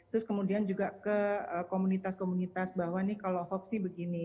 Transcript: terus kemudian juga ke komunitas komunitas bahwa nih kalau hoax nih begini